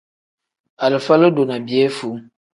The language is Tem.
Alifa lodo ni piyefuu.